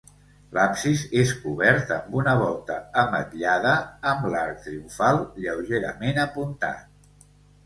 L'absis és cobert amb una volta ametllada, amb l'arc triomfal lleugerament apuntat.